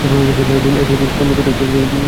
তুমি কোথায় ছিলে?